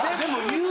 言う。